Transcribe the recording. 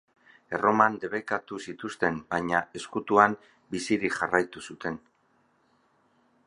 Erroman debekatu zituzten baina ezkutuan bizirik jarraitu zuten.